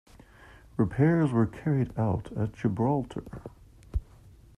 Repairs were carried out at Gibraltar.